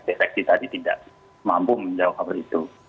deteksi tadi tidak mampu menjawab hal itu